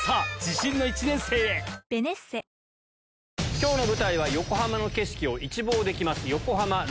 今日の舞台は横浜の景色を一望できます。